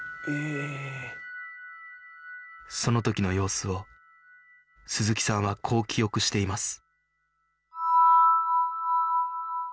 その時の様子を鈴木さんはこう記憶しています